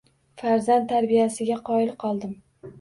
Farzand tarbiyasiga qoyil qoldim.